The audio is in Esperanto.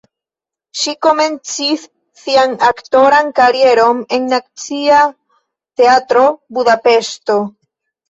Ŝi komencis sian aktoran karieron en Nacia Teatro (Budapeŝto).